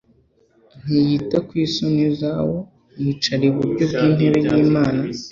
ntiyita ku isoni zawo yicara iburyo bw'intebe y'Imana.».